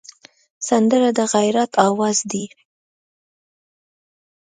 سندره د غیرت آواز دی